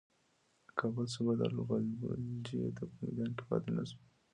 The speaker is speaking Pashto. د کابل صوبه دار غلجیو ته په میدان کې ماتې نه شوه ورکولای.